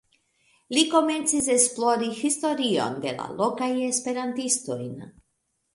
Li komencis esplori historion de la lokaj esperantistojn.